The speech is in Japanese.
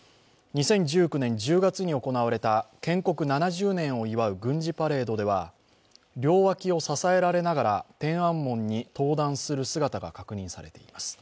２０１９年１０月に行われた建国７０年を祝う軍事パレードでは、両脇を支えられながら天安門に登壇する姿が確認されています。